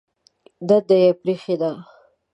دنده یې پرېښې ده.